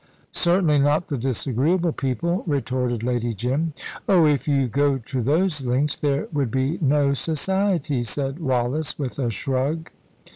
"Certainly not the disagreeable people," retorted Lady Jim. "Oh, if you go to those lengths, there would be no society," said Wallace, with a shrug.